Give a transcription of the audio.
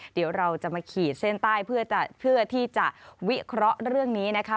เดี๋ยวเราจะมาขีดเส้นใต้เพื่อที่จะวิเคราะห์เรื่องนี้นะคะ